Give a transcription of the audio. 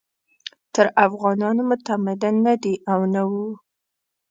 تر افغانانو متمدن نه دي او نه وو.